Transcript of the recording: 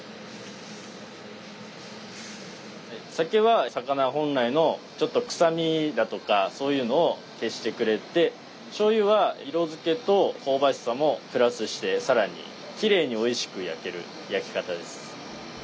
酒は魚本来のくさみだとかそういうのを消してくれてしょうゆは色づけと香ばしさもプラスして更にきれいにおいしく焼ける焼き方です。